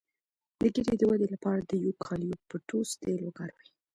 د ږیرې د ودې لپاره د یوکالیپټوس تېل وکاروئ